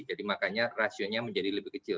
jadi makanya rasionya menjadi lebih kecil